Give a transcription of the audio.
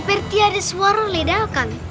orang orang sedang menjauhkan